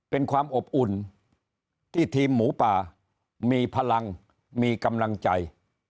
เป็นความอบอุ่นที่ทีมหมูป่ามีพลังมีกำลังใจ